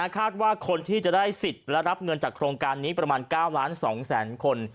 คาดว่าคนที่จะได้สิทธิ์และรับเงินจากโครงการนี้ประมาณ๙ล้าน๒แสนคน